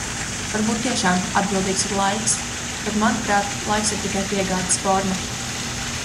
Varbūt tiešām atbildīgs ir laiks, bet, manuprāt, laiks ir tikai piegādes forma.